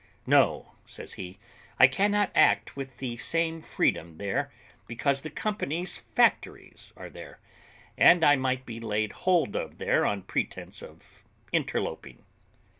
"No," says he, "I cannot act with the same freedom there, because the Company's factories are there, and I may be laid hold of there on pretence of interloping."